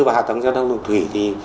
vào hạ tầng giao thông đường thủy